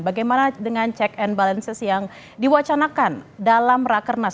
bagaimana dengan check and balances yang diwacanakan dalam rakernas